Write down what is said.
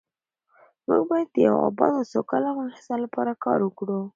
موږ باید د یو اباد او سوکاله افغانستان لپاره کار وکړو.